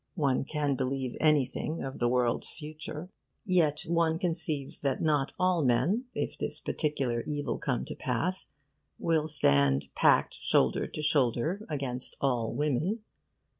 One can believe anything of the world's future. Yet one conceives that not all men, if this particular evil come to pass, will stand packed shoulder to shoulder against all women.